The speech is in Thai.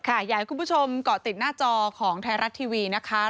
อยากให้คุณผู้ชมเกาะติดหน้าจอของไทยรัฐทีวีนะคะ